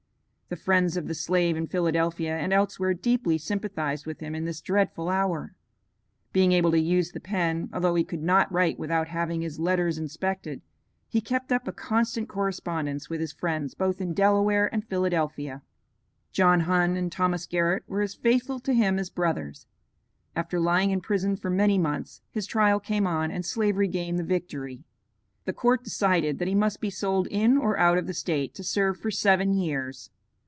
The friends of the slave in Philadelphia and elsewhere deeply sympathized with him in this dreadful hour. Being able to use the pen, although he could not write without having his letters inspected, he kept up a constant correspondence with his friends both in Delaware and Philadelphia. John Hunn and Thomas Garrett were as faithful to him as brothers. After lying in prison for many months, his trial came on and Slavery gained the victory. The court decided that he must be sold in or out of the State to serve for seven years.